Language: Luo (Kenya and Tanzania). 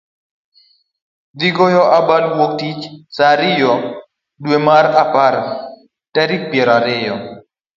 thi goyo abal Wuok Tich saa ariyo, dwe mar apar tarik piero ariyo.